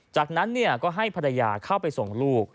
จากนั้นก็ให้ภรรยาเข้าไปส่งลูก